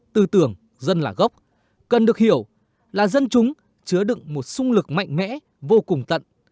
tư tưởng dân là gốc cần được hiểu là dân chúng chứa đựng một xung lực mạnh mẽ vô cùng tận